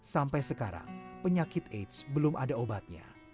sampai sekarang penyakit aids belum ada obatnya